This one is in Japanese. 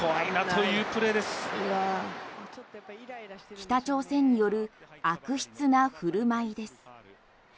北朝鮮による悪質な振る舞いです。